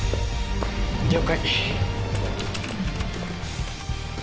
了解